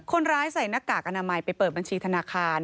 คนร้ายใส่หน้ากากอนามัยไปเปิดบัญชีธนาคาร